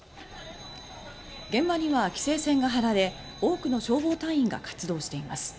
現場には規制線が張られ多くの消防隊員が活動しています。